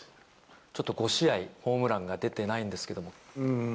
ちょっと５試合、ホームランが出てないんですけども。